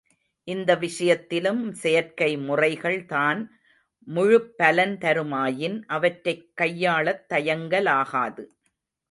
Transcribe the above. இந்த விஷயத்திலும் செயற்கை முறைகள் தான் முழுப்பலன் தருமாயின் அவற்றைக் கையாளத் தயங்கலாகாது.